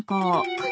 これ。